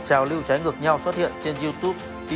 trào lưu trái ngược nhau xuất hiện trên youtube